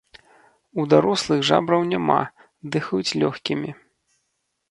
У дарослых жабраў няма, дыхаюць лёгкімі.